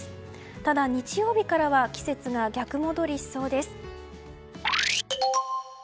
ただ日曜日からは季節が逆戻りしそうです。